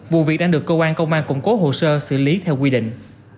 vụ việc đang được cơ quan công an củng cố hồ sơ xử lý theo quy định